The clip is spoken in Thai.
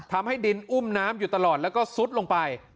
ทำให้ดินอุ้มน้ำอยู่ตลอดแล้วก็ซุดลงไป